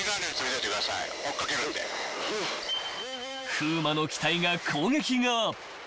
［風磨の機体が攻撃側］